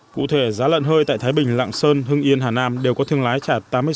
cụ thể giá lợn hơi tại thái bình lạng sơn hưng yên hà nam đều có thương lái trả tám mươi sáu tám mươi bảy đồng một kg